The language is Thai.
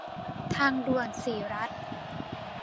ทางด่วนศรีรัช